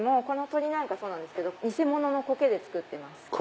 この鳥なんかそうなんですけど偽物の苔で作ってます。